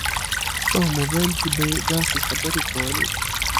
په موبایل کې به یې داسې خبرې کولې.